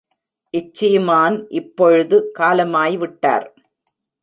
இச்சீமான் இப்பொழுது காலமாய் விட்டார்.